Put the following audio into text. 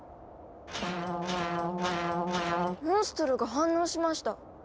モンストロが反応しました。